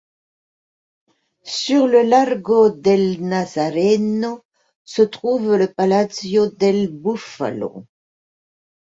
Sur le largo del Nazareno se trouve le palazzo del Bufalo.